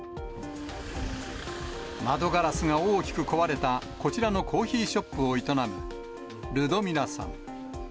窓ガラスが大きく壊れたこちらのコーヒーショップを営むルドミラさん。